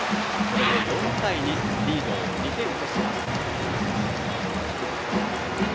これで４対２とリードを２点とします。